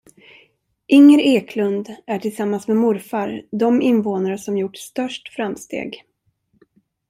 Inger Eklund är tillsammans med morfar de invånare som gjort störst framsteg.